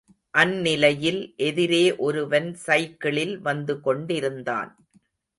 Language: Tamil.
அந்நிலையில் எதிரே ஒருவன் கைக்கிளில் வந்து கொண்டிருந்தான்.